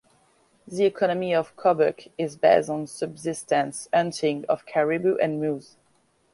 The economy of Kobuk is based on subsistence hunting for caribou and moose.